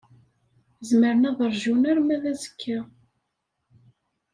Zemren ad ṛjun arma d azekka.